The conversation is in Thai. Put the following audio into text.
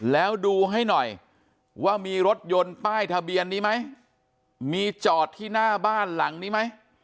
แล้วดูให้หน่อยว่ามีรถยนต์ป้ายทะเบียนนี้ไหมมีจอดที่หน้าบ้านหลังนี้ไหม